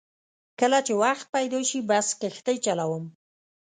کله چې وخت پیدا شي بس کښتۍ چلوم.